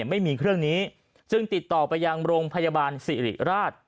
ไม่มีเครื่องนี้จึงติดต่อไปยังโรงพยาบาลสิริราช